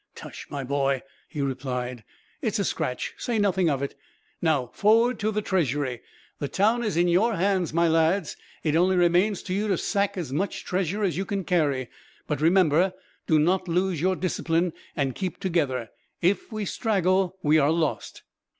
"Tush, my boy," he replied, "it is a scratch; say nothing of it. "Now, forward to the Treasury. The town is in your hands, my lads. It only remains to you to sack as much treasure as you can carry; but remember, do not lose your discipline, and keep together. If we straggle, we are lost.